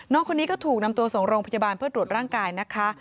น้องคนนี้ก็ถูกนำตัวส่งโรงพยาบาลเพื่อตรวจร่างกายนะคะ